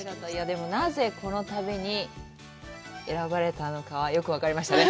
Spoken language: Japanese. でもなぜこの旅に選ばれたのかはよく分かりましたね。